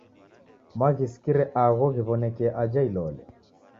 Mwaghisikire agho ghiw'onekie aja Ilole?